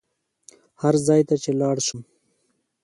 هر ځای ته چې لاړ شم.